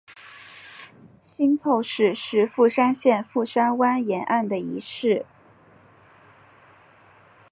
新凑市是富山县富山湾沿岸的一市。